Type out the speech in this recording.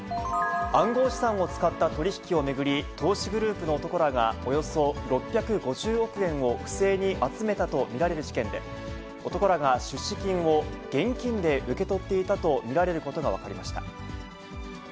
暗号資産を使った取り引きを巡り、投資グループの男らが、およそ６５０億円を不正に集めたと見られる事件で、男らが出資金を現金で受け取っていたと見られることが分かりました。